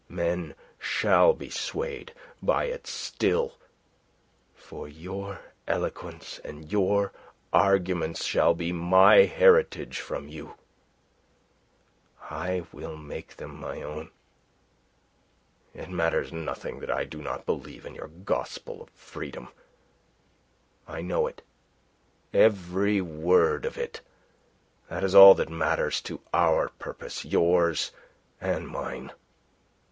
Men shall be swayed by it still. For your eloquence and your arguments shall be my heritage from you. I will make them my own. It matters nothing that I do not believe in your gospel of freedom. I know it every word of it; that is all that matters to our purpose, yours and mine.